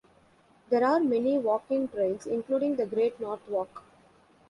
There are many walking trails, including the Great North Walk.